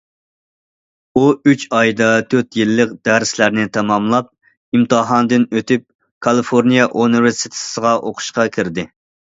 ئۇ ئۈچ ئايدا تۆت يىللىق دەرسلەرنى تاماملاپ، ئىمتىھاندىن ئۆتۈپ كالىفورنىيە ئۇنىۋېرسىتېتىغا ئوقۇشقا كىردى.